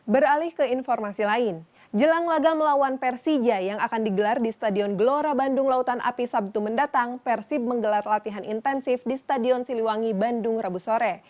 beralih ke informasi lain jelang laga melawan persija yang akan digelar di stadion gelora bandung lautan api sabtu mendatang persib menggelar latihan intensif di stadion siliwangi bandung rabu sore